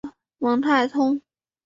蒙泰通。